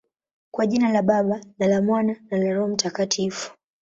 Kwa jina la Baba, na la Mwana, na la Roho Mtakatifu.